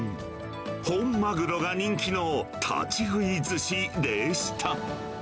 本マグロが人気の立ち食いずしでした。